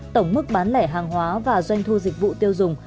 tổng mức bán lẻ hàng hóa và doanh thu dịch vụ tiêu dùng